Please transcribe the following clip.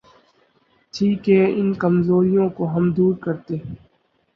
تھی کہ ان کمزوریوں کو ہم دور کرتے۔